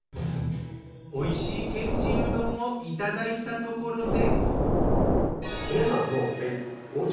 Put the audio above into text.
おいしいけんちんうどんをいただいたところで。